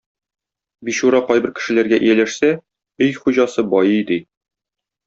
Бичура кайбер кешеләргә ияләшсә өй хуҗасы байый ди.